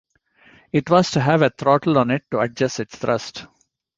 It was to have a throttle on it to adjust its thrust.